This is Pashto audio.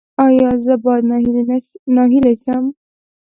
ایا زه باید ناهیلي شم؟